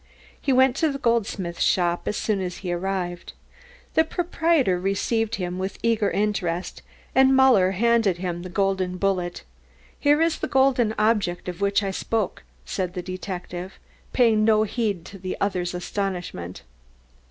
He went to the goldsmith's shop as soon as he arrived. The proprietor received him with eager interest and Muller handed him the golden bullet. "Here is the golden object of which I spoke," said the detective, paying no heed to the other's astonishment.